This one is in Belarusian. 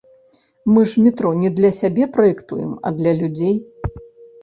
Мы ж метро не для сябе праектуем, а для людзей.